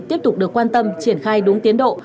tiếp tục được quan tâm triển khai đúng tiến độ